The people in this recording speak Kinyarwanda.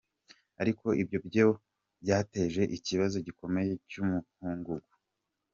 Ariko ibyo byobo byateje ikibazo gikomeye cy’umukungugu.